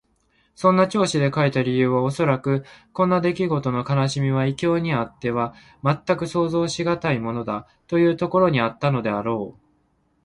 そんな調子で書いた理由はおそらく、こんなできごとの悲しみは異郷にあってはまったく想像しがたいものだ、というところにあったのであろう。